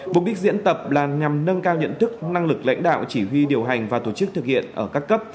mục đích diễn tập là nhằm nâng cao nhận thức năng lực lãnh đạo chỉ huy điều hành và tổ chức thực hiện ở các cấp